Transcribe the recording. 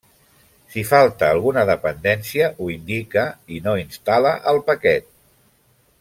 Si falta alguna dependència ho indica i no instal·la el paquet.